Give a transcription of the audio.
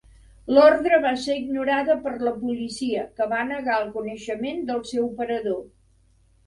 L'ordre va ser ignorada per la policia, que va negar el coneixement del seu parador.